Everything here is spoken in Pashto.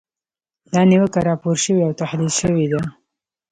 دا نیوکه راپور شوې او تحلیل شوې ده.